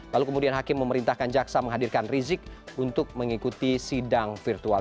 lalu kemudian hakim memerintahkan jaksa menghadirkan rizik untuk mengikuti sidang virtual